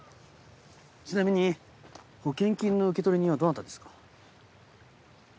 ちなみに保険金の受取人はどなたですか？